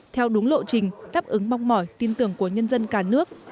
theo đúng lộ trình đáp ứng mong mỏi tin tưởng của nhân dân cả nước